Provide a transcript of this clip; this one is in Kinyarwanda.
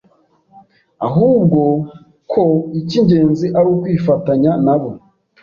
ahubwo ko icy’ingenzi ari ukwifatanya na bo,